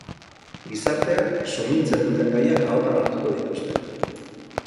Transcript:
Gizartea sumintzen duten gaiak ahotan hartuko dituzte.